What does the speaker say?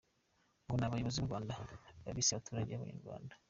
Ngo ni abayobozi b’u Rwanda babi si abaturage b’abanyarwanda.